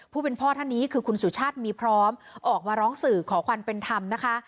ผู้เป็นพ่อท่านนี้คือคุณสุชาติมีพร้อมออกมาร้องสื่อขอความเป็นธรรมนะคะ